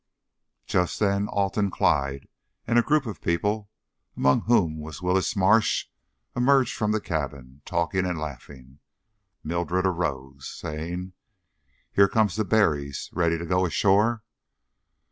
Just then Alton Clyde and a group of people, among whom was Willis Marsh, emerged from the cabin, talking and laughing. Mildred arose, saying: "Here come the Berrys, ready to go ashore."